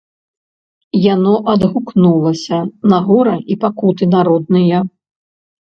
Яно адгукалася на гора і пакуты народныя.